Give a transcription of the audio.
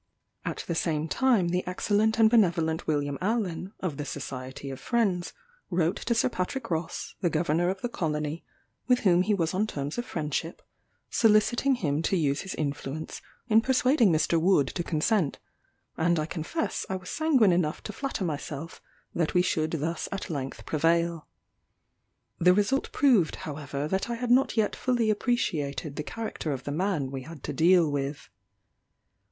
At the same time the excellent and benevolent William Allen, of the Society of Friends, wrote to Sir Patrick Ross, the Governor of the Colony, with whom he was on terms of friendship, soliciting him to use his influence in persuading Mr. Wood to consent: and I confess I was sanguine enough to flatter myself that we should thus at length prevail. The result proved, however, that I had not yet fully appreciated the character of the man we had to deal with.